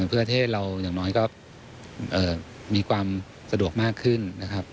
เพื่อประเทศเราอย่างน้อยก็มีความสะดวกมากขึ้นนะครับ